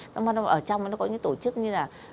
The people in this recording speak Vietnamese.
xong rồi ở trong nó có những tổ chức như là